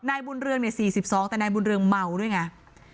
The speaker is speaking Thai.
นายบุญเรืองเนี่ย๔๒แต่นายบุญเรืองเมาด้วยไง